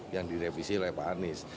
yang direvisi oleh pak anies